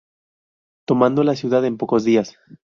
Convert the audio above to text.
Tomando la ciudad en pocos días.